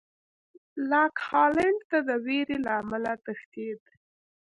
لاک هالېنډ ته د وېرې له امله تښتېد.